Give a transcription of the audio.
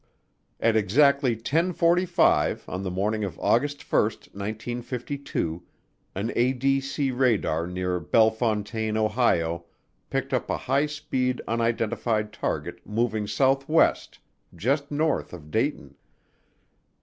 At exactly ten forty five on the morning of August 1, 1952, an ADC radar near Bellefontaine, Ohio, picked up a high speed unidentified target moving southwest, just north of Dayton.